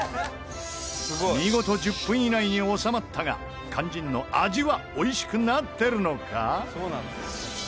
見事１０分以内に収まったが肝心の味はおいしくなっているのか？